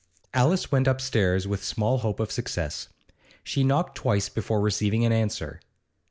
Alice went upstairs with small hope of success. She knocked twice before receiving an answer.